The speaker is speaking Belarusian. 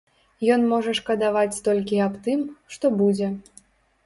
Ён можа шкадаваць толькі аб тым, што будзе.